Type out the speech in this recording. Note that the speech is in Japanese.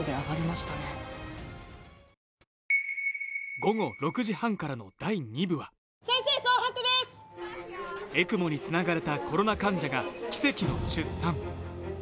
午後６時半からの第２部はＥＣＭＯにつながれたコロナ患者が奇跡の出産。